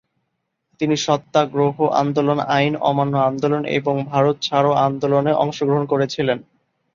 তিনি সত্যাগ্রহ আন্দোলন, আইন অমান্য আন্দোলন এবং ভারত ছাড় আন্দোলনে অংশগ্রহণ করেছিলেন।